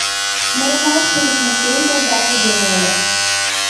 Мыйымат шуко туныктен, тул гай айдеме ыле.